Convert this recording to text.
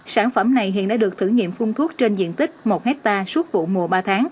sản phẩm này hiện đã được thử nghiệm phung thuốc trên diện tích một hectare suốt vụ mùa ba tháng